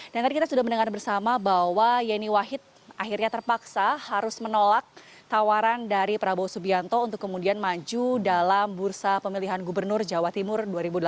tadi kita sudah mendengar bersama bahwa yeni wahid akhirnya terpaksa harus menolak tawaran dari prabowo subianto untuk kemudian maju dalam bursa pemilihan gubernur jawa timur dua ribu delapan belas